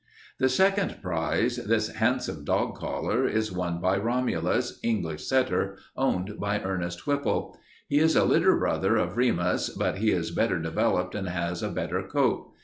"The second prize, this handsome dog collar, is won by Romulus, English setter, owned by Ernest Whipple. He is a litter brother of Remus, but he is better developed and has a better coat.